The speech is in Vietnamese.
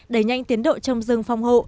đẩy nhanh tiến độ trong rừng phòng hộ